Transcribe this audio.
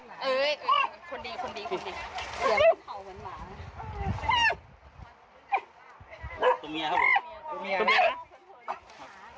ตรงนี้ครับผม